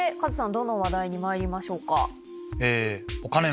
どの話題にまいりましょうか。